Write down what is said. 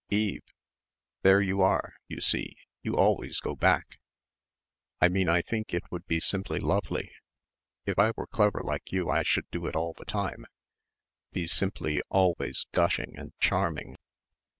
"Eve. There you are, you see, you always go back." "I mean I think it would be simply lovely. If I were clever like you I should do it all the time, be simply always gushing and 'charming.'"